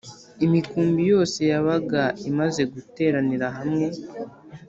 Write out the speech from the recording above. Imikumbi yose yabaga imaze guteranira hamwe.